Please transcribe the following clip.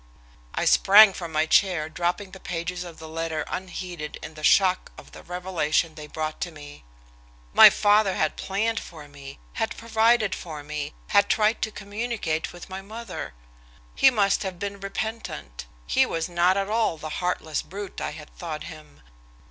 I sprang from my chair, dropping the pages of the letter unheeded in the shock of the revelation they brought me. My father had planned for me; had provided for me; had tried to communicate with my mother! He must have been repentant; he was not all the heartless brute I had thought him.